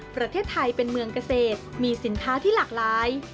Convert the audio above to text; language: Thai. ประเทศไทยเป็นเมืองเกษตรมีสินค้าที่หลากหลาย